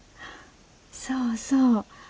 そうそう。